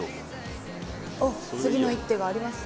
おっ次の一手があります。